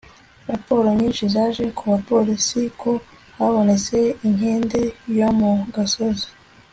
raporo nyinshi zaje ku bapolisi ko habonetse inkende yo mu gasozi